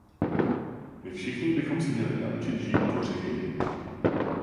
My všichni bychom se měli naučit žít tvořivěji.